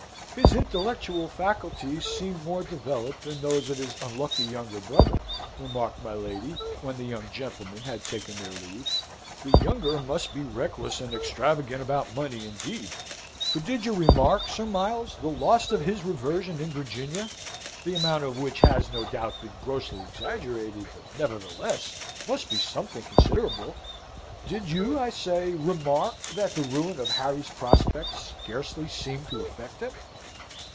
"His intellectual faculties seem more developed than those of his unlucky younger brother," remarked my lady, when the young gentlemen had taken their leave. "The younger must be reckless and extravagant about money indeed, for did you remark, Sir Miles, the loss of his reversion in Virginia the amount of which has, no doubt, been grossly exaggerated, but, nevertheless, must be something considerable did you, I say, remark that the ruin of Harry's prospects scarcely seemed to affect him?"